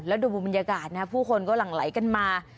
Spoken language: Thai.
แล้วดูบรรยากาศนะผู้คนก็หลั่งไหลกันมา